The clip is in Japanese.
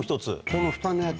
このフタのやつ。